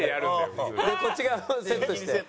でこっち側もセットして。